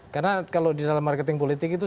karena kalau di dalam marketing politik itu